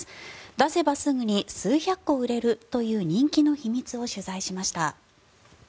出せばすぐに数百個売れるという人気の秘密を取材しました。